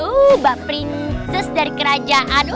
uh mbak prinses dari kerajaan